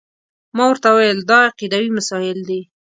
ما ورته وویل دا عقیدوي مسایل دي.